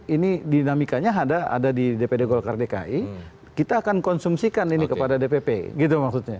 ini dinamikanya ada di dpd golkar dki kita akan konsumsikan ini kepada dpp gitu maksudnya